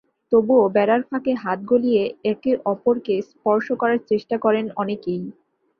তবুও বেড়ার ফাঁকে হাত গলিয়ে একে অপরকে স্পর্শ করার চেষ্টা করেন অনেকেই।